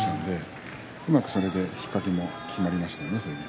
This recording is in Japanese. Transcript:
うまく、それで引っ掛けがきまりましたね。